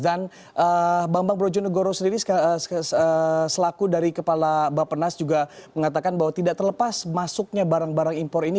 dan bang bang brojonegoro sendiri selaku dari kepala bapak nas juga mengatakan bahwa tidak terlepas masuknya barang barang impor ini